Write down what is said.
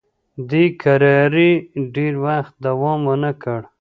دې کراري ډېر وخت دوام ونه کړ.